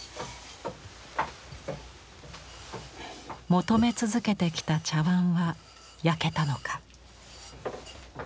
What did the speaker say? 求め続けてきた茶碗は焼けたのか。